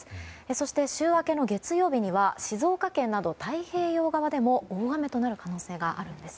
そして、週明けの月曜日では静岡県などの太平洋側でも大雨となる可能性があるんです。